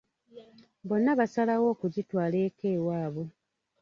Bonna basalawo okugitwala eka ewaabwe.